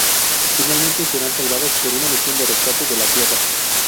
Finalmente serán salvados por una misión de rescate de la Tierra.